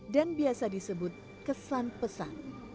dan biasa disebut kesan pesan